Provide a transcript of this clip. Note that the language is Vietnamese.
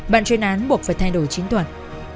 bạn chuyên án buộc phải thay đổi chính tuần